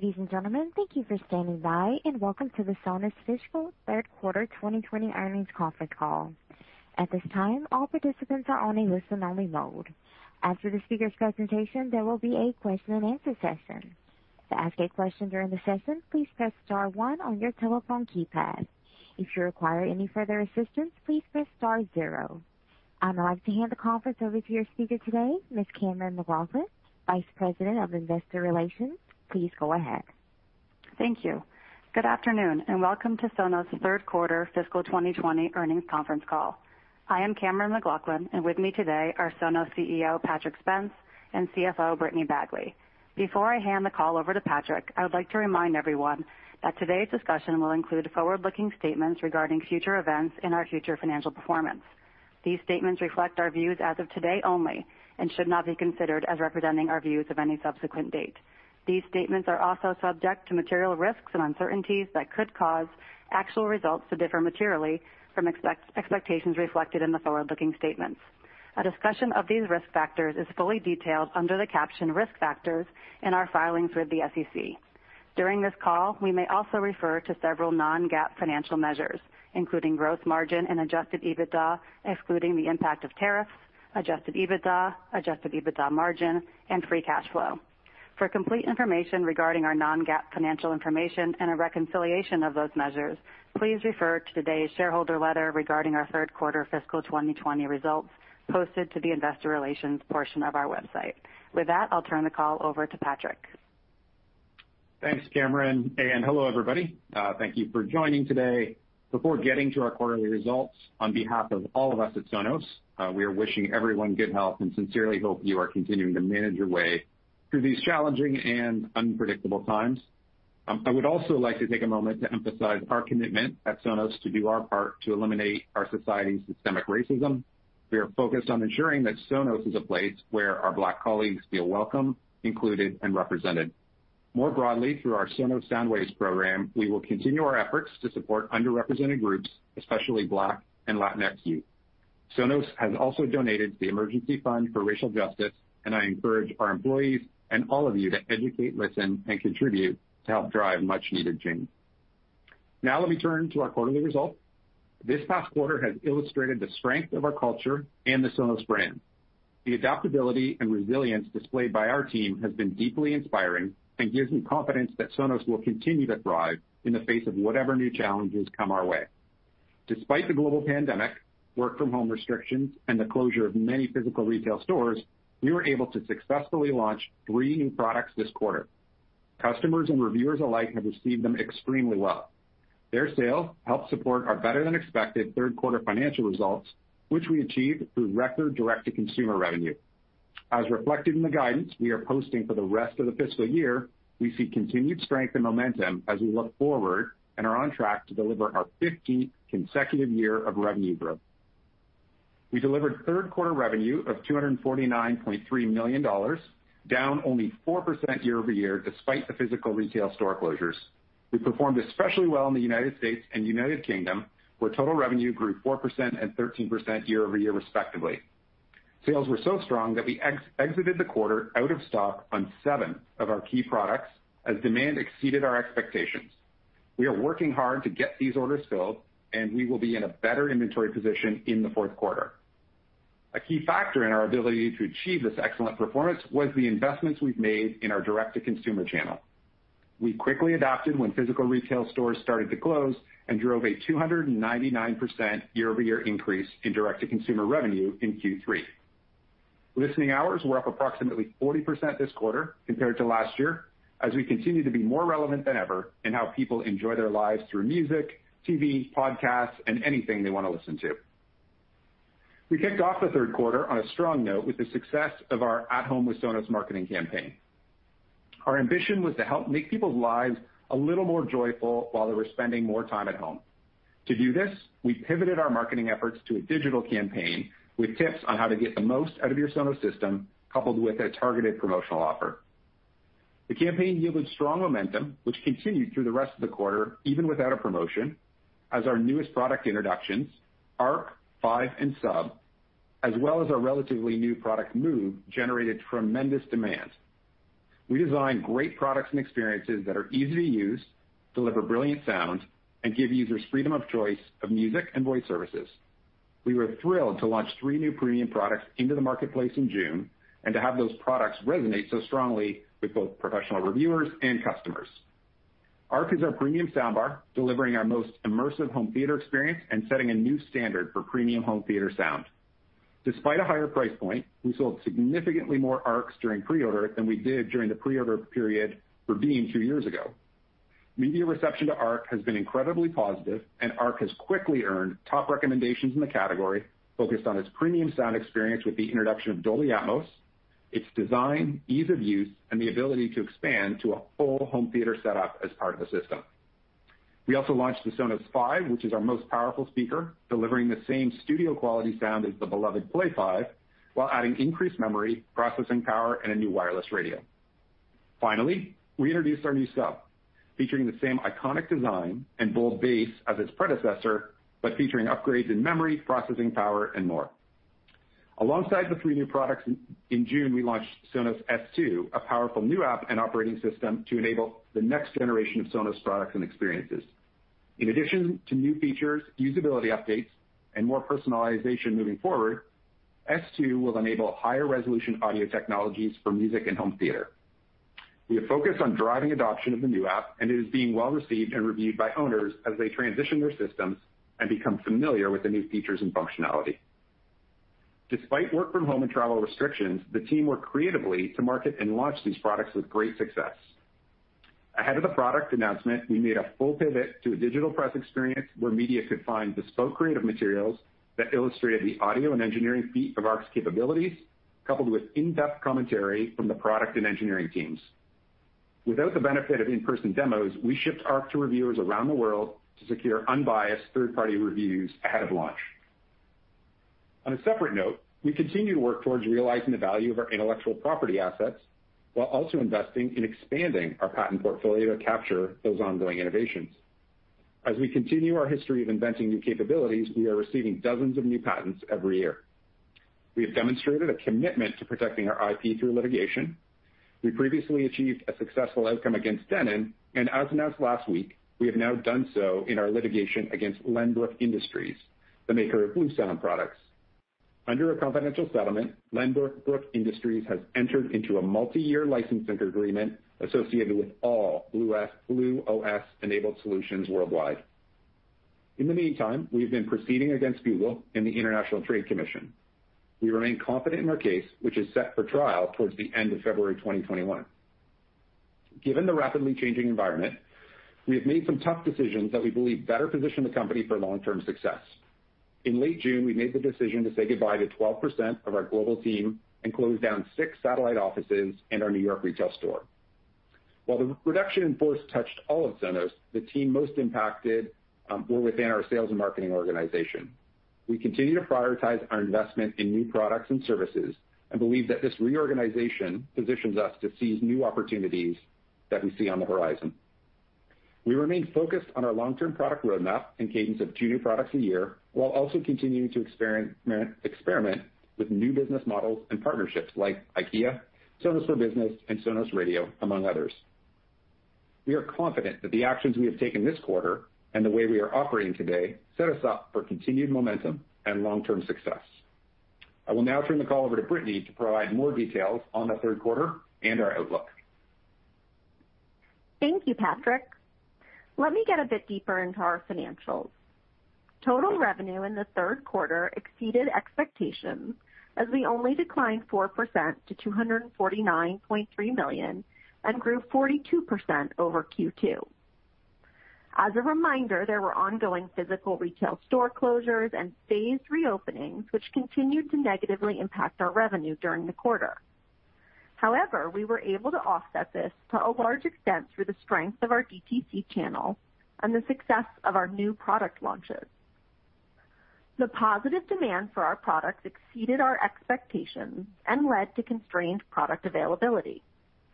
Ladies and gentlemen, thank you for standing by, and welcome to the Sonos Fiscal Third Quarter 2020 Earnings Conference Call. At this time, all participants are on a listen-only mode. After the speaker's presentation, there will be a question-and-answer session. To ask a question during the session, please press star one on your telephone keypad. If you require any further assistance, please press star zero. I'm now going to hand the conference over to your speaker today, Ms. Cammeron McLaughlin, Vice President of Investor Relations. Please go ahead. Thank you. Good afternoon, and welcome to Sonos' third quarter fiscal 2020 earnings conference call. I am Cammeron McLaughlin, and with me today are Sonos CEO, Patrick Spence, and CFO, Brittany Bagley. Before I hand the call over to Patrick, I would like to remind everyone that today's discussion will include forward-looking statements regarding future events and our future financial performance. These statements reflect our views as of today only and should not be considered as representing our views of any subsequent date. These statements are also subject to material risks and uncertainties that could cause actual results to differ materially from expectations reflected in the forward-looking statements. A discussion of these risk factors is fully detailed under the caption "Risk Factors" in our filings with the SEC. During this call, we may also refer to several non-GAAP financial measures, including gross margin and adjusted EBITDA, excluding the impact of tariffs, adjusted EBITDA, adjusted EBITDA margin, and free cash flow. For complete information regarding our non-GAAP financial information and a reconciliation of those measures, please refer to today's shareholder letter regarding our third quarter fiscal 2020 results posted to the investor relations portion of our website. With that, I'll turn the call over to Patrick. Thanks, Cammeron. Hello, everybody. Thank you for joining today. Before getting to our quarterly results, on behalf of all of us at Sonos, we are wishing everyone good health and sincerely hope you are continuing to manage your way through these challenging and unpredictable times. I would also like to take a moment to emphasize our commitment at Sonos to do our part to eliminate our society's systemic racism. We are focused on ensuring that Sonos is a place where our Black colleagues feel welcome, included, and represented. More broadly, through our Sonos Soundwaves program, we will continue our efforts to support underrepresented groups, especially Black and Latinx youth. Sonos has also donated to the Emergency Fund for Racial Justice. I encourage our employees and all of you to educate, listen, and contribute to help drive much-needed change. Now let me turn to our quarterly results. This past quarter has illustrated the strength of our culture and the Sonos brand. The adaptability and resilience displayed by our team has been deeply inspiring and gives me confidence that Sonos will continue to thrive in the face of whatever new challenges come our way. Despite the global pandemic, work-from-home restrictions, and the closure of many physical retail stores, we were able to successfully launch three new products this quarter. Customers and reviewers alike have received them extremely well. Their sales helped support our better-than-expected third-quarter financial results, which we achieved through record direct-to-consumer revenue. As reflected in the guidance we are posting for the rest of the fiscal year, we see continued strength and momentum as we look forward and are on track to deliver our 15th consecutive year of revenue growth. We delivered third-quarter revenue of $249.3 million, down only 4% year-over-year despite the physical retail store closures. We performed especially well in the U.S. and U.K., where total revenue grew 4% and 13% year-over-year respectively. Sales were strong that we exited the quarter out of stock on seven of our key products as demand exceeded our expectations. We are working hard to get these orders filled, we will be in a better inventory position in the fourth quarter. A key factor in our ability to achieve this excellent performance was the investments we've made in our direct-to-consumer channel. We quickly adapted when physical retail stores started to close and drove a 299% year-over-year increase in direct-to-consumer revenue in Q3. Listening hours were up approximately 40% this quarter compared to last year, as we continue to be more relevant than ever in how people enjoy their lives through music, TV, podcasts, and anything they want to listen to. We kicked off the third quarter on a strong note with the success of our At Home with Sonos marketing campaign. Our ambition was to help make people's lives a little more joyful while they were spending more time at home. To do this, we pivoted our marketing efforts to a digital campaign with tips on how to get the most out of your Sonos system, coupled with a targeted promotional offer. The campaign yielded strong momentum, which continued through the rest of the quarter, even without a promotion, as our newest product introductions, Arc, Five, and Sub, as well as our relatively new product, Move, generated tremendous demand. We designed great products and experiences that are easy to use, deliver brilliant sound, and give users freedom of choice of music and voice services. We were thrilled to launch three new premium products into the marketplace in June and to have those products resonate so strongly with both professional reviewers and customers. Arc is our premium soundbar, delivering our most immersive home theater experience and setting a new standard for premium home theater sound. Despite a higher price point, we sold significantly more Arcs during pre-order than we did during the pre-order period for Beam two years ago. Arc has quickly earned top recommendations in the category focused on its premium sound experience with the introduction of Dolby Atmos, its design, ease of use, and the ability to expand to a full home theater setup as part of a system. We also launched the Sonos Five, which is our most powerful speaker, delivering the same studio-quality sound as the beloved Play:5 while adding increased memory, processing power, and a new wireless radio. Finally, we introduced our new Sub, featuring the same iconic design and bold bass as its predecessor, but featuring upgrades in memory, processing power, and more. Alongside the three new products, in June, we launched Sonos S2, a powerful new app and operating system to enable the next generation of Sonos products and experiences. In addition to new features, usability updates, and more personalization moving forward, S2 will enable higher resolution audio technologies for music and home theater. We have focused on driving adoption of the new app, and it is being well received and reviewed by owners as they transition their systems and become familiar with the new features and functionality. Despite work from home and travel restrictions, the team worked creatively to market and launch these products with great success. Ahead of the product announcement, we made a full pivot to a digital press experience where media could find bespoke creative materials that illustrated the audio and engineering feat of Arc's capabilities, coupled with in-depth commentary from the product and engineering teams. Without the benefit of in-person demos, we shipped Arc to reviewers around the world to secure unbiased third-party reviews ahead of launch. On a separate note, we continue to work towards realizing the value of our intellectual property assets while also investing in expanding our patent portfolio to capture those ongoing innovations. As we continue our history of inventing new capabilities, we are receiving dozens of new patents every year. We have demonstrated a commitment to protecting our IP through litigation. We previously achieved a successful outcome against Denon. As announced last week, we have now done so in our litigation against Lenbrook Industries, the maker of Bluesound products. Under a confidential settlement, Lenbrook Industries has entered into a multi-year licensing agreement associated with all BluOS-enabled solutions worldwide. In the meantime, we have been proceeding against Google in the International Trade Commission. We remain confident in our case, which is set for trial towards the end of February 2021. Given the rapidly changing environment, we have made some tough decisions that we believe better position the company for long-term success. In late June, we made the decision to say goodbye to 12% of our global team and close down six satellite offices and our New York retail store. While the reduction in force touched all of Sonos, the team most impacted were within our sales and marketing organization. We continue to prioritize our investment in new products and services and believe that this reorganization positions us to seize new opportunities that we see on the horizon. We remain focused on our long-term product roadmap and cadence of two new products a year, while also continuing to experiment with new business models and partnerships like IKEA, Sonos for Business and Sonos Radio, among others. We are confident that the actions we have taken this quarter and the way we are operating today set us up for continued momentum and long-term success. I will now turn the call over to Brittany to provide more details on the third quarter and our outlook. Thank you, Patrick. Let me get a bit deeper into our financials. Total revenue in the third quarter exceeded expectations as we only declined 4% to $249.3 million and grew 42% over Q2. As a reminder, there were ongoing physical retail store closures and phased reopenings, which continued to negatively impact our revenue during the quarter. However, we were able to offset this to a large extent through the strength of our DTC channel and the success of our new product launches. The positive demand for our products exceeded our expectations and led to constrained product availability.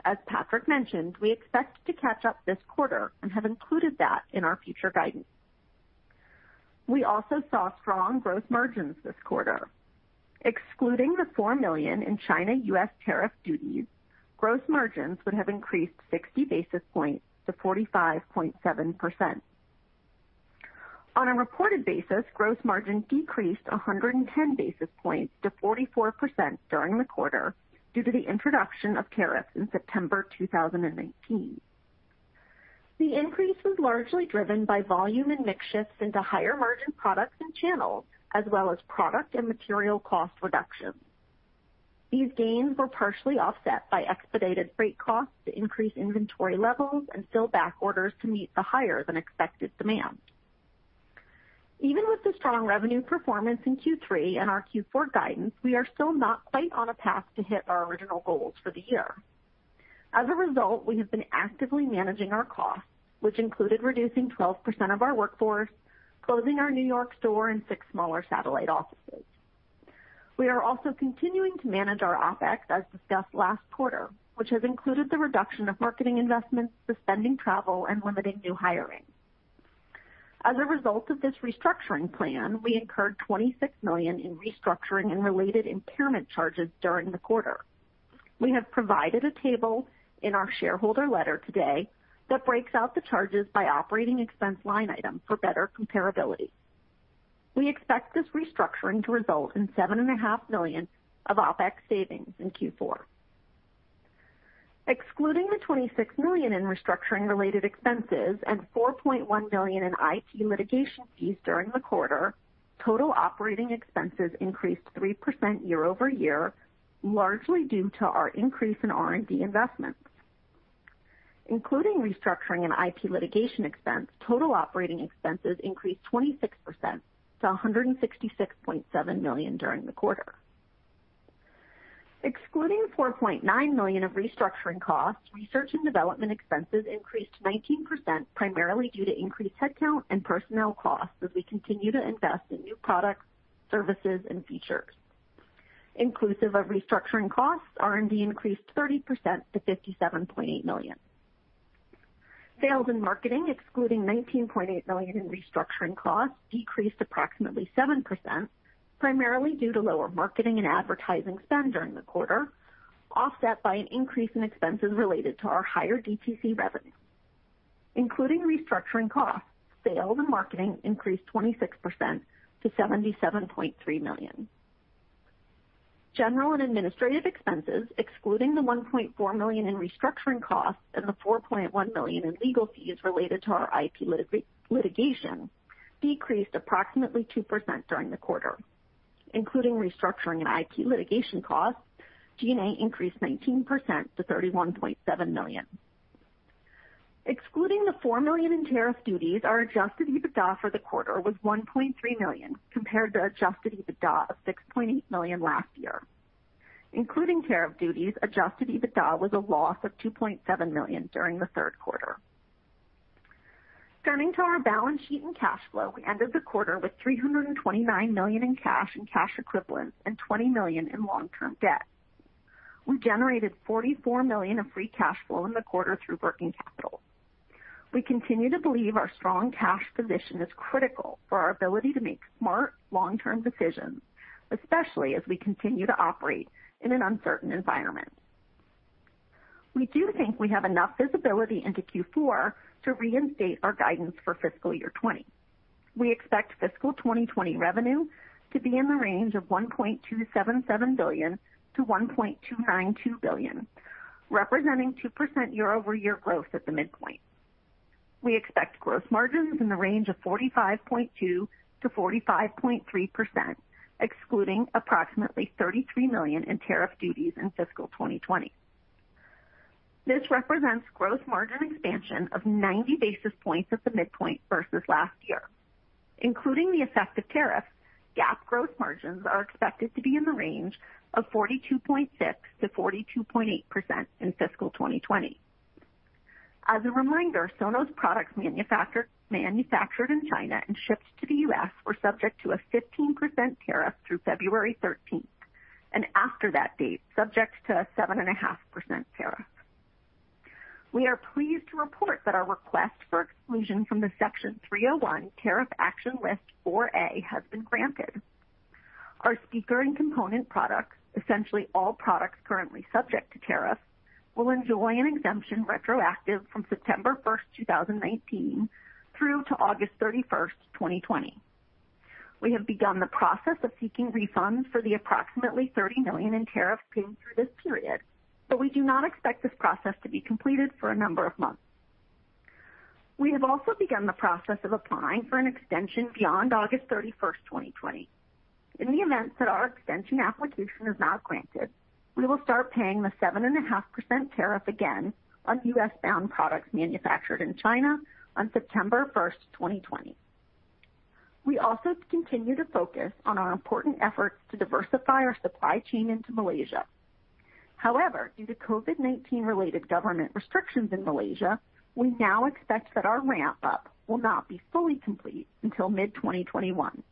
As Patrick mentioned, we expect to catch up this quarter and have included that in our future guidance. We also saw strong gross margins this quarter. Excluding the $4 million in China-U.S. tariff duties, gross margins would have increased 60 basis points to 45.7%. On a reported basis, gross margin decreased 110 basis points to 44% during the quarter due to the introduction of tariffs in September 2019. The increase was largely driven by volume and mix shifts into higher-margin products and channels, as well as product and material cost reductions. These gains were partially offset by expedited freight costs to increase inventory levels and fill back orders to meet the higher-than-expected demand. Even with the strong revenue performance in Q3 and our Q4 guidance, we are still not quite on a path to hit our original goals for the year. As a result, we have been actively managing our costs, which included reducing 12% of our workforce, closing our New York store and six smaller satellite offices. We are also continuing to manage our OpEx, as discussed last quarter, which has included the reduction of marketing investments, suspending travel, and limiting new hiring. As a result of this restructuring plan, we incurred $26 million in restructuring and related impairment charges during the quarter. We have provided a table in our shareholder letter today that breaks out the charges by operating expense line item for better comparability. We expect this restructuring to result in $7.5 million of OpEx savings in Q4. Excluding the $26 million in restructuring-related expenses and $4.1 million in IP litigation fees during the quarter, total operating expenses increased 3% year-over-year, largely due to our increase in R&D investments. Including restructuring and IP litigation expense, total operating expenses increased 26% to $166.7 million during the quarter. Excluding $4.9 million of restructuring costs, research and development expenses increased 19%, primarily due to increased headcount and personnel costs as we continue to invest in new products, services, and features. Inclusive of restructuring costs, R&D increased 30% to $57.8 million. Sales and marketing, excluding $19.8 million in restructuring costs, decreased approximately 7%, primarily due to lower marketing and advertising spend during the quarter, offset by an increase in expenses related to our higher DTC revenue. Including restructuring costs, sales and marketing increased 26% to $77.3 million. General and administrative expenses, excluding the $1.4 million in restructuring costs and the $4.1 million in legal fees related to our IP litigation, decreased approximately 2% during the quarter. Including restructuring and IP litigation costs, G&A increased 19% to $31.7 million. Excluding the $4 million in tariff duties, our adjusted EBITDA for the quarter was $1.3 million, compared to adjusted EBITDA of $6.8 million last year. Including tariff duties, adjusted EBITDA was a loss of $2.7 million during the third quarter. Turning to our balance sheet and cash flow, we ended the quarter with $329 million in cash and cash equivalents and $20 million in long-term debt. We generated $44 million of free cash flow in the quarter through working capital. We continue to believe our strong cash position is critical for our ability to make smart, long-term decisions, especially as we continue to operate in an uncertain environment. We do think we have enough visibility into Q4 to reinstate our guidance for fiscal year 2020. We expect fiscal 2020 revenue to be in the range of $1.277 billion-$1.292 billion, representing 2% year-over-year growth at the midpoint. We expect gross margins in the range of 45.2%-45.3%, excluding approximately $33 million in tariff duties in fiscal 2020. This represents gross margin expansion of 90 basis points at the midpoint versus last year. Including the effect of tariffs, GAAP gross margins are expected to be in the range of 42.6%-42.8% in fiscal 2020. As a reminder, Sonos products manufactured in China and shipped to the U.S. were subject to a 15% tariff through February 13th, and after that date, subject to a 7.5% tariff. We are pleased to report that our request for exclusion from the Section 301 Tariff Action List 4A has been granted. Our speaker and component products, essentially all products currently subject to tariff, will enjoy an exemption retroactive from September 1st, 2019 through to August 31st, 2020. We have begun the process of seeking refunds for the approximately $30 million in tariffs paid through this period, but we do not expect this process to be completed for a number of months. We have also begun the process of applying for an extension beyond August 31st, 2020. In the event that our extension application is not granted, we will start paying the 7.5% tariff again on U.S.-bound products manufactured in China on September 1st, 2020. We also continue to focus on our important efforts to diversify our supply chain into Malaysia. Due to COVID-19 related government restrictions in Malaysia, we now expect that our ramp-up will not be fully complete until mid-2021.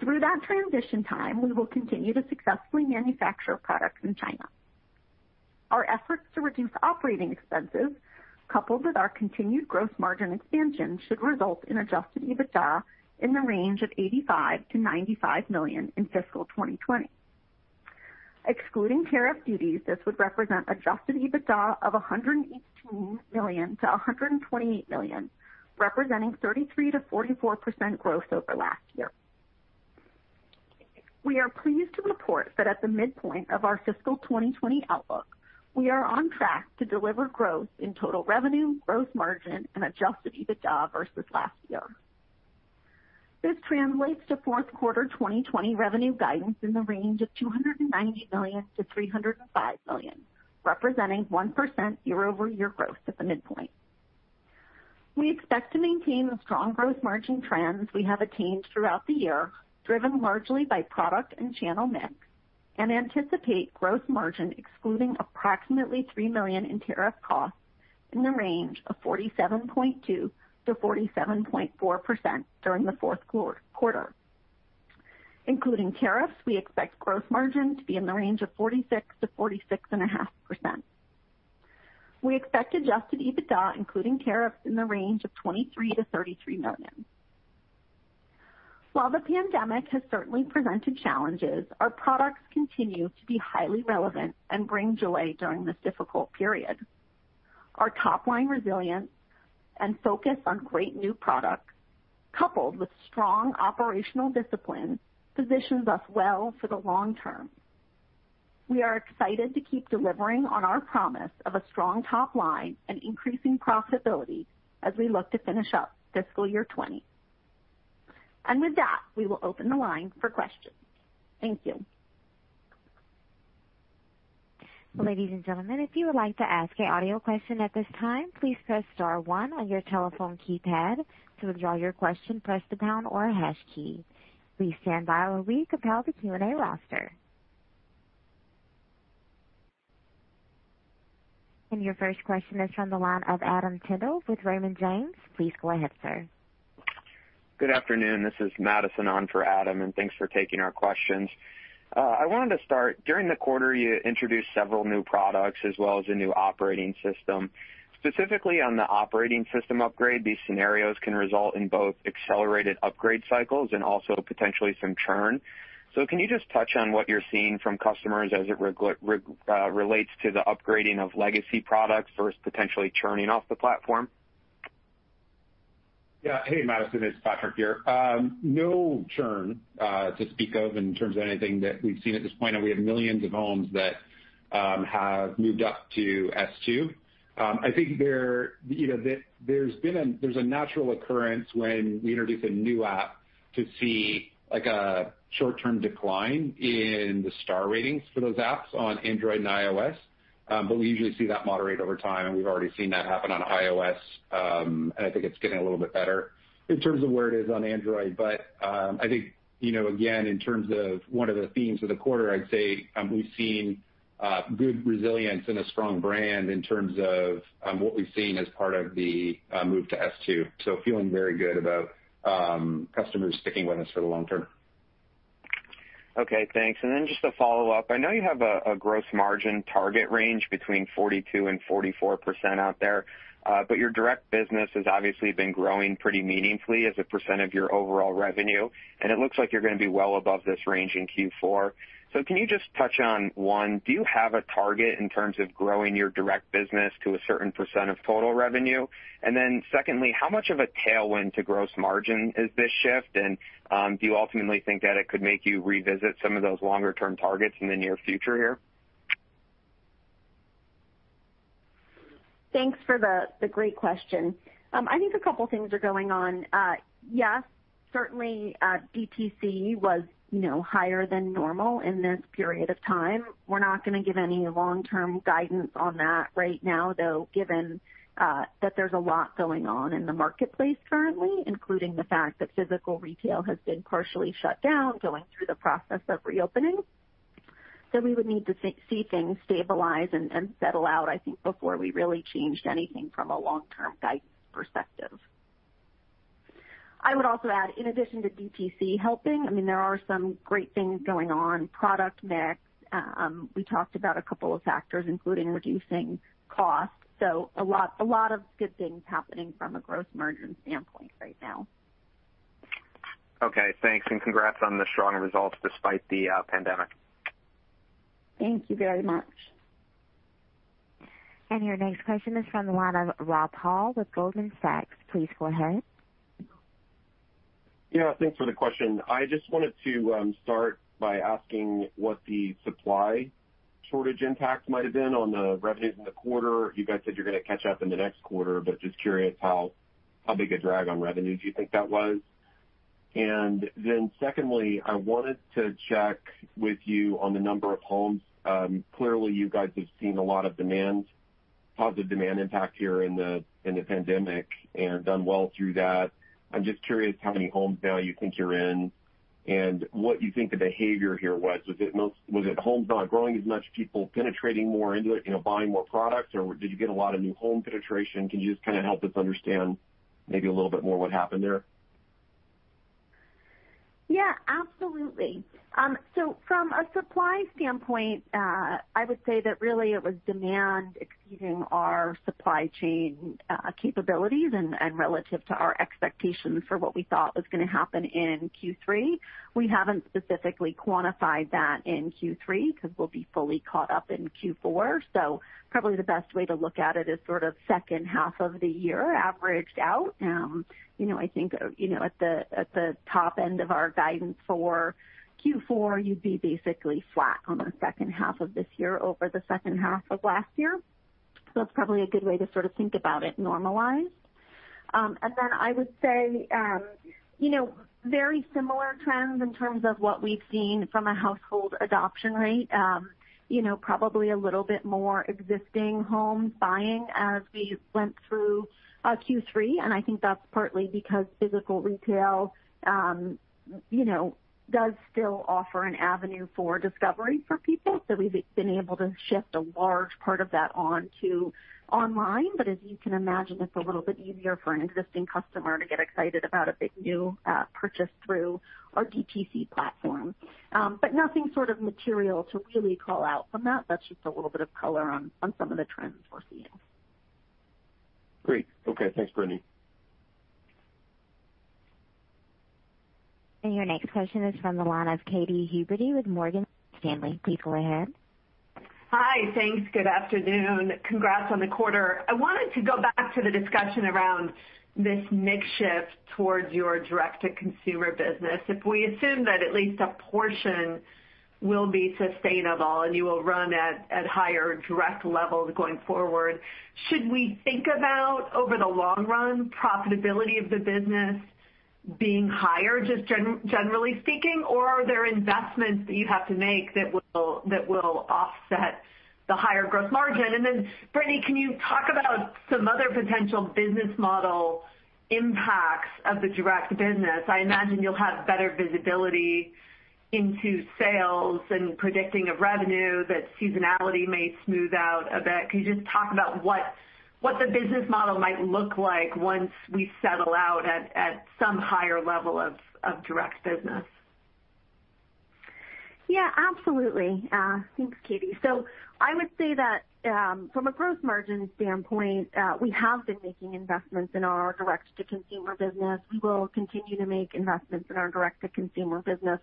Through that transition time, we will continue to successfully manufacture products in China. Our efforts to reduce operating expenses, coupled with our continued gross margin expansion, should result in adjusted EBITDA in the range of $85 million-$95 million in fiscal 2020. Excluding tariff duties, this would represent adjusted EBITDA of $118 million-$128 million, representing 33%-44% growth over last year. We are pleased to report that at the midpoint of our fiscal 2020 outlook, we are on track to deliver growth in total revenue, gross margin and adjusted EBITDA versus last year. This translates to fourth quarter 2020 revenue guidance in the range of $290 million-$305 million, representing 1% year-over-year growth at the midpoint. We expect to maintain the strong gross margin trends we have attained throughout the year, driven largely by product and channel mix, and anticipate gross margin excluding approximately $3 million in tariff costs in the range of 47.2%-47.4% during the fourth quarter. Including tariffs, we expect gross margin to be in the range of 46%-46.5%. We expect adjusted EBITDA, including tariffs, in the range of $23 million-$33 million. While the pandemic has certainly presented challenges, our products continue to be highly relevant and bring joy during this difficult period. Our top-line resilience and focus on great new products, coupled with strong operational discipline, positions us well for the long term. We are excited to keep delivering on our promise of a strong top-line and increasing profitability as we look to finish up fiscal year 2020. With that, we will open the line for questions. Thank you. Ladies and gentlemen, if you would like to ask an audio question at this time, please press star one on your telephone keypad. To withdraw your question, press the pound or hash key. Please stand by while we compile the Q&A roster. Your first question is from the line of Adam Tindle with Raymond James. Please go ahead, sir. Good afternoon. This is Madison on for Adam. Thanks for taking our questions. I wanted to start, during the quarter, you introduced several new products as well as a new operating system. Specifically on the operating system upgrade, these scenarios can result in both accelerated upgrade cycles and also potentially some churn. Can you just touch on what you're seeing from customers as it relates to the upgrading of legacy products versus potentially churning off the platform? Yeah. Hey, Madison, it's Patrick here. No churn to speak of in terms of anything that we've seen at this point. We have millions of homes that have moved up to S2. I think there's a natural occurrence when we introduce a new app to see a short-term decline in the star ratings for those apps on Android and iOS. We usually see that moderate over time, and we've already seen that happen on iOS. I think it's getting a little bit better in terms of where it is on Android. I think, again, in terms of one of the themes of the quarter, I'd say we've seen good resilience and a strong brand in terms of what we've seen as part of the move to S2. Feeling very good about customers sticking with us for the long term. Okay, thanks. Then just a follow-up. I know you have a gross margin target range between 42% and 44% out there. But your direct business has obviously been growing pretty meaningfully as a percentage of your overall revenue, and it looks like you're going to be well above this range in Q4. So can you just touch on, one, do you have a target in terms of growing your direct business to a certain percentage of total revenue? Then secondly, how much of a tailwind to gross margin is this shift? Do you ultimately think that it could make you revisit some of those longer-term targets in the near future here? Thanks for the great question. I think a couple things are going on. Yes, certainly, DTC was higher than normal in this period of time. We're not going to give any long-term guidance on that right now, though, given that there's a lot going on in the marketplace currently, including the fact that physical retail has been partially shut down, going through the process of reopening. We would need to see things stabilize and settle out, I think before we really changed anything from a long-term guidance perspective. I would also add, in addition to DTC helping, there are some great things going on, product mix. We talked about a couple of factors, including reducing costs. A lot of good things happening from a gross margin standpoint right now. Okay, thanks, and congrats on the strong results despite the pandemic. Thank you very much. Your next question is from the line of Rod Hall with Goldman Sachs. Please go ahead. Yeah, thanks for the question. I just wanted to start by asking what the supply shortage impact might have been on the revenues in the quarter. You guys said you're going to catch up in the next quarter, just curious how big a drag on revenue do you think that was? Secondly, I wanted to check with you on the number of homes. Clearly, you guys have seen a lot of positive demand impact here in the pandemic and done well through that. I'm just curious how many homes now you think you're in and what you think the behavior here was. Was it homes not growing as much, people penetrating more into it, buying more products, or did you get a lot of new home penetration? Can you just kind of help us understand maybe a little bit more what happened there? Yeah, absolutely. From a supply standpoint, I would say that really it was demand exceeding our supply chain capabilities and relative to our expectations for what we thought was going to happen in Q3. We haven't specifically quantified that in Q3 because we'll be fully caught up in Q4. Probably the best way to look at it is sort of second half of the year averaged out. I think at the top end of our guidance for Q4, you'd be basically flat on the second half of this year over the second half of last year. That's probably a good way to sort of think about it normalized. Then I would say very similar trends in terms of what we've seen from a household adoption rate. Probably a little bit more existing home buying as we went through Q3, and I think that's partly because physical retail does still offer an avenue for discovery for people. We've been able to shift a large part of that on to online. As you can imagine, it's a little bit easier for an existing customer to get excited about a big new purchase through our DTC platform. Nothing sort of material to really call out from that. That's just a little bit of color on some of the trends we're seeing. Great. Okay. Thanks, Brittany. Your next question is from the line of Katy Huberty with Morgan Stanley. Please go ahead. Hi. Thanks. Good afternoon. Congrats on the quarter. I wanted to go back to the discussion around this mix shift towards your direct-to-consumer business. If we assume that at least a portion will be sustainable and you will run at higher direct levels going forward, should we think about, over the long run, profitability of the business being higher, just generally speaking? Or are there investments that you have to make that will offset the higher gross margin? Brittany, can you talk about some other potential business model impacts of the direct business. I imagine you'll have better visibility into sales and predicting of revenue, that seasonality may smooth out a bit. Can you just talk about what the business model might look like once we settle out at some higher level of direct business? Absolutely. Thanks, Katy. I would say that from a gross margin standpoint, we have been making investments in our direct-to-consumer business. We will continue to make investments in our direct-to-consumer business,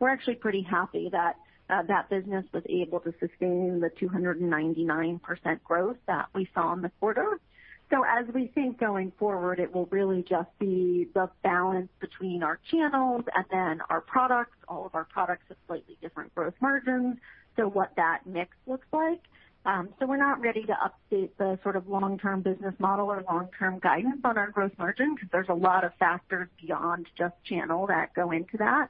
we're actually pretty happy that that business was able to sustain the 299% growth that we saw in the quarter. As we think going forward, it will really just be the balance between our channels and then our products. All of our products have slightly different gross margins, what that mix looks like. We're not ready to update the long-term business model or long-term guidance on our gross margin because there's a lot of factors beyond just channel that go into that.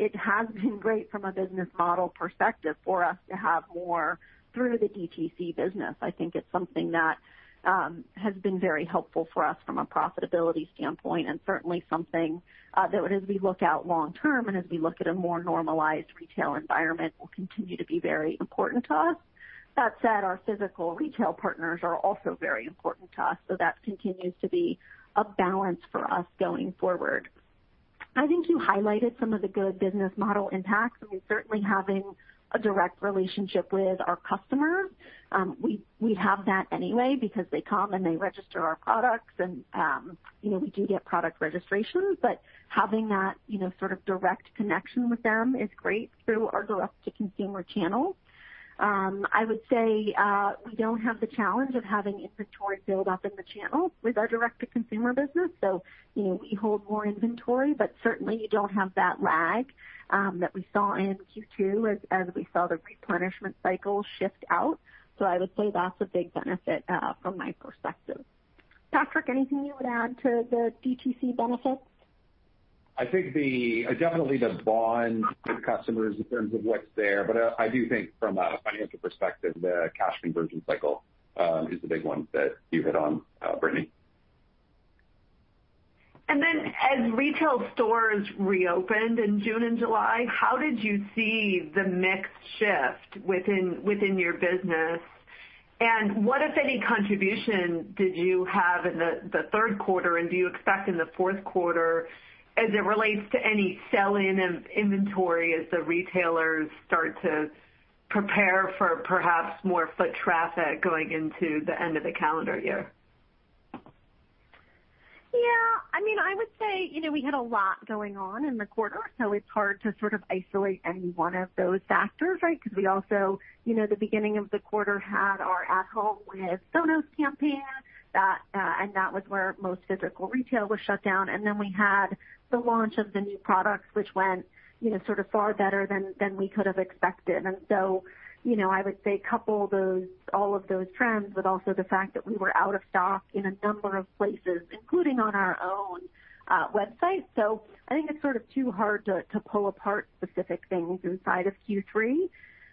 It has been great from a business model perspective for us to have more through the DTC business. I think it's something that has been very helpful for us from a profitability standpoint, and certainly something that as we look out long term and as we look at a more normalized retail environment, will continue to be very important to us. That said, our physical retail partners are also very important to us, so that continues to be a balance for us going forward. I think you highlighted some of the good business model impacts. I mean, certainly having a direct relationship with our customers. We'd have that anyway because they come, and they register our products, and we do get product registrations. Having that sort of direct connection with them is great through our direct-to-consumer channels. I would say we don't have the challenge of having inventory build up in the channel with our direct-to-consumer business. We hold more inventory, but certainly you don't have that lag that we saw in Q2 as we saw the replenishment cycle shift out. I would say that's a big benefit from my perspective. Patrick, anything you would add to the DTC benefits? I think definitely the bond with customers in terms of what's there. I do think from a financial perspective, the cash conversion cycle is the big one that you hit on, Brittany. As retail stores reopened in June and July, how did you see the mix shift within your business, and what, if any, contribution did you have in the third quarter, and do you expect in the fourth quarter as it relates to any sell-in of inventory as the retailers start to prepare for perhaps more foot traffic going into the end of the calendar year? Yeah. I would say we had a lot going on in the quarter, so it's hard to sort of isolate any one of those factors, right? Because we also, the beginning of the quarter, had our At Home with Sonos campaign, and that was where most physical retail was shut down. Then we had the launch of the new products, which went sort of far better than we could have expected. So, I would say couple all of those trends with also the fact that we were out of stock in a number of places, including on our own website. I think it's sort of too hard to pull apart specific things inside of Q3.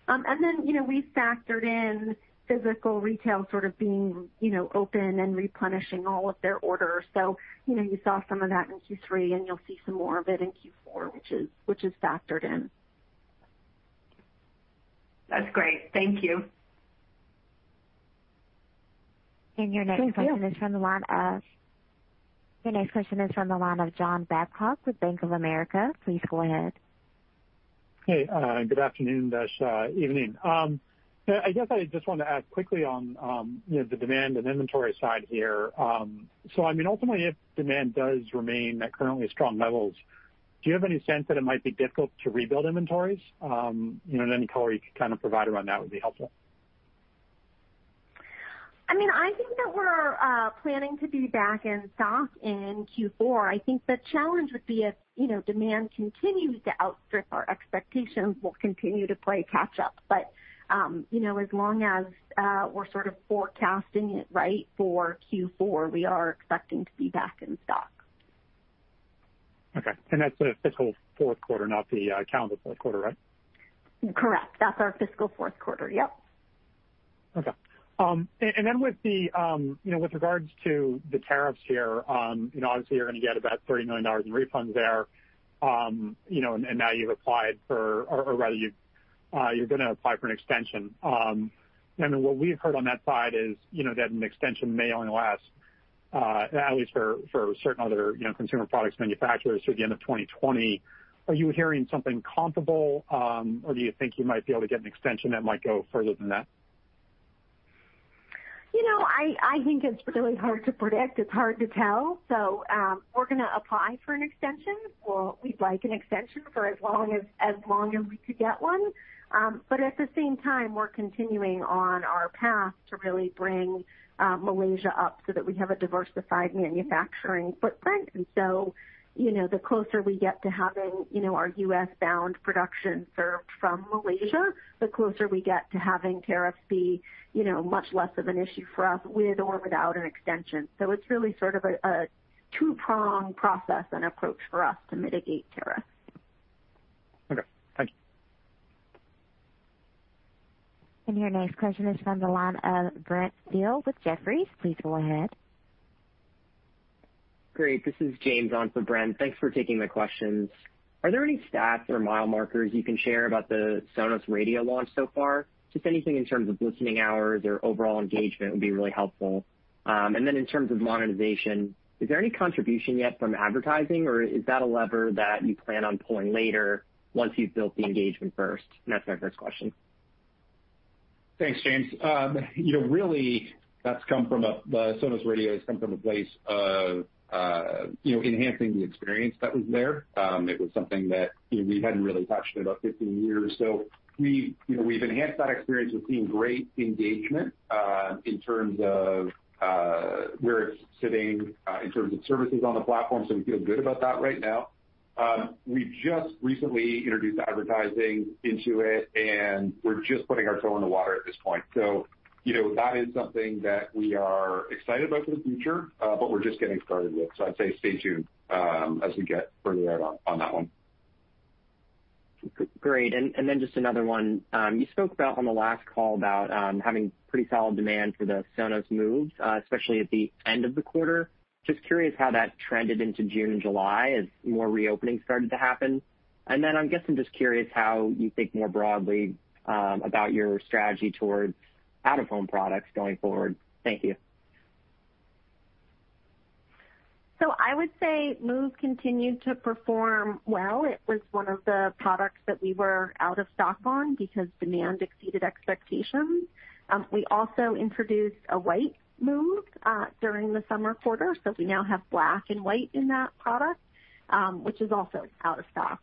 Then we factored in physical retail sort of being open and replenishing all of their orders. You saw some of that in Q3, and you'll see some more of it in Q4, which is factored in. That's great. Thank you. Thank you. Your next question is from the line of John Babcock with Bank of America. Please go ahead. Hey, good afternoon-ish, evening. I guess I just wanted to add quickly on the demand and inventory side here. I mean, ultimately, if demand does remain at currently strong levels, do you have any sense that it might be difficult to rebuild inventories? Any color you could kind of provide around that would be helpful. I think that we're planning to be back in stock in Q4. I think the challenge would be if demand continues to outstrip our expectations, we'll continue to play catch up. As long as we're sort of forecasting it right for Q4, we are expecting to be back in stock. Okay. That's the fiscal fourth quarter, not the calendar fourth quarter, right? Correct. That's our fiscal fourth quarter. Yep. Okay. Then with regards to the tariffs here, obviously you're going to get about $30 million in refunds there. Now you've applied for, or rather you're going to apply for an extension. I mean, what we've heard on that side is that an extension may only last, at least for certain other consumer products manufacturers, through the end of 2020. Are you hearing something comparable? Do you think you might be able to get an extension that might go further than that? I think it's really hard to predict. It's hard to tell. We're going to apply for an extension, or we'd like an extension for as long as we could get one. At the same time, we're continuing on our path to really bring Malaysia up so that we have a diversified manufacturing footprint. The closer we get to having our U.S.-bound production served from Malaysia, the closer we get to having tariffs be much less of an issue for us, with or without an extension. It's really sort of a two-pronged process and approach for us to mitigate tariffs. Okay. Thank you. Your next question is from the line of Brent Thill with Jefferies. Please go ahead. Great. This is James on for Brent. Thanks for taking my questions. Are there any stats or mile markers you can share about the Sonos Radio launch so far? Just anything in terms of listening hours or overall engagement would be really helpful. Then in terms of monetization, is there any contribution yet from advertising, or is that a lever that you plan on pulling later once you've built the engagement first? That's my first question. Thanks, James. Really, the Sonos Radio has come from a place of enhancing the experience that was there. It was something that we hadn't really touched in about 15 years. We've enhanced that experience. We've seen great engagement in terms of where it's sitting, in terms of services on the platform. We feel good about that right now. We just recently introduced advertising into it. We're just putting our toe in the water at this point. That is something that we are excited about for the future, but we're just getting started with. I'd say stay tuned as we get further out on that one. Great. Just another one. You spoke about, on the last call, having pretty solid demand for the Sonos Move, especially at the end of the quarter. Just curious how that trended into June and July as more reopening started to happen. I guess I'm just curious how you think more broadly about your strategy towards out-of-home products going forward. Thank you. I would say Move continued to perform well. It was one of the products that we were out of stock on because demand exceeded expectations. We also introduced a white Move during the summer quarter, so we now have black and white in that product, which is also out of stock.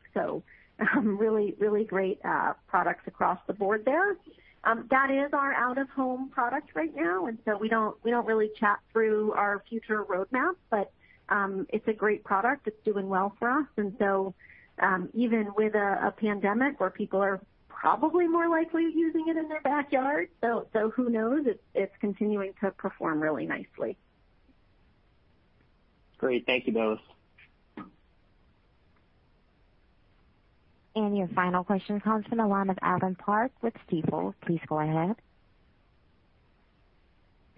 Really great products across the board there. That is our out-of-home product right now, and so we don't really chat through our future roadmap. It's a great product. It's doing well for us. Even with a pandemic where people are probably more likely using it in their backyard. Who knows? It's continuing to perform really nicely. Great. Thank you both. Your final question comes from the line of Evan Park with Stifel. Please go ahead.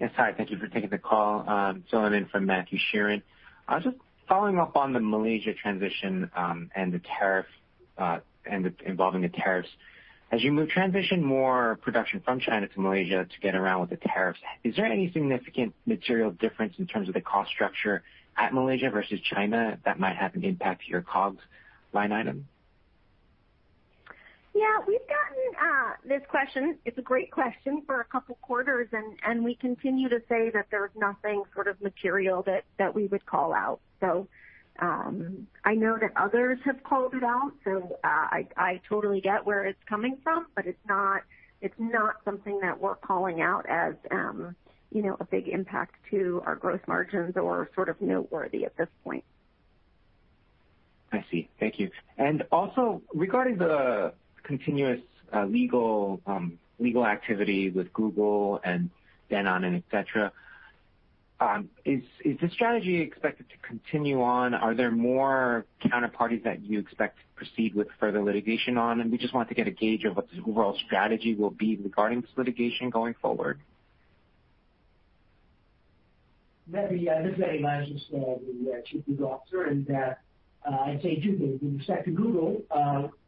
Yes, hi. Thank you for taking the call. Filling in from Matthew Sheerin. Just following up on the Malaysia transition and involving the tariffs. As you transition more production from China to Malaysia to get around with the tariffs, is there any significant material difference in terms of the cost structure at Malaysia versus China that might have an impact to your COGS line item? Yeah, we've gotten this question, it's a great question, for a couple of quarters, and we continue to say that there's nothing material that we would call out. I know that others have called it out, so I totally get where it's coming from, but it's not something that we're calling out as a big impact to our gross margins or noteworthy at this point. I see. Thank you. Regarding the continuous legal activity with Google and Denon and et cetera, is the strategy expected to continue on? Are there more counterparties that you expect to proceed with further litigation on? We just want to get a gauge of what the overall strategy will be regarding this litigation going forward. This is Eddie Lazarus, the chief legal officer, and I'd say two things. With respect to Google,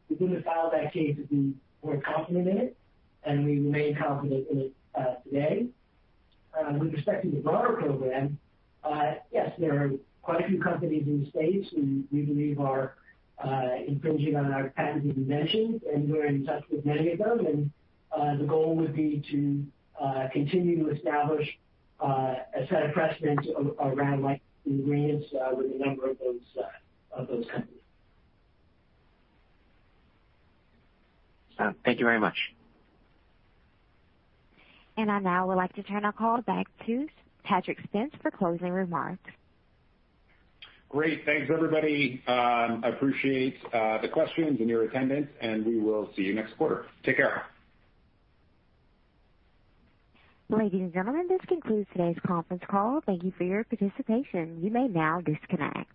we didn't file that case if we weren't confident in it, and we remain confident in it today. With respect to the broader program, yes, there are quite a few companies in the States who we believe are infringing on our patented inventions, and we're in touch with many of them. The goal would be to continue to establish a set of precedents around licensing agreements with a number of those companies. Thank you very much. I now would like to turn our call back to Patrick Spence for closing remarks. Great. Thanks, everybody. Appreciate the questions and your attendance, and we will see you next quarter. Take care. Ladies and gentlemen, this concludes today's conference call. Thank you for your participation. You may now disconnect.